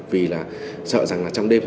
vì là sợ rằng là trong đêm